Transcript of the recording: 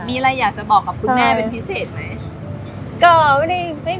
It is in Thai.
มีอะไรอยากจะบอกกับคุณแม่เป็นพิเศษไหม